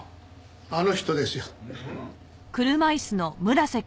あの人ですよ。